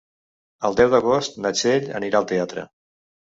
El deu d'agost na Txell anirà al teatre.